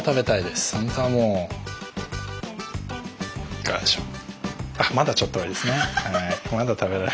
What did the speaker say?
いかがでしょう。